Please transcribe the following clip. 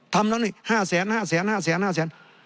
ทำตอนนี้ห้าแสนห้าแสนห้าแสนห้าแสน